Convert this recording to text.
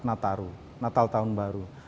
nataru natal tahun baru